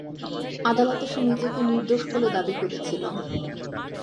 আদালতে সে নিজেকে নির্দোষ বলে দাবি করেছিল।